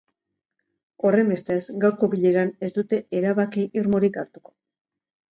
Horrenbestez, gaurko bileran ez dute erabaki irmorik hartuko.